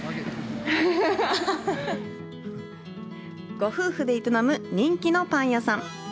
ご夫婦で営む人気のパン屋さん。